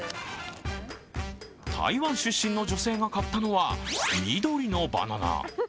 台湾出身の女性が買ったのは緑のバナナ。